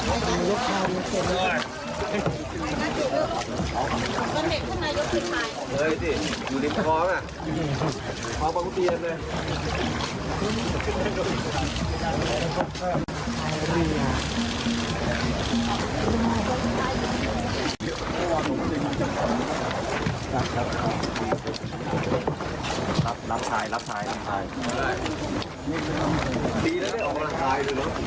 โอเคข้างในยกที่ท้าย